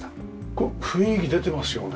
これ雰囲気出てますよね。